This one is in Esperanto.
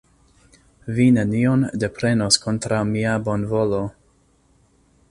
Vi nenion deprenos kontraŭ mia bonvolo.